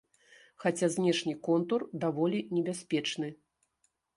Хаця знешні контур даволі небяспечны.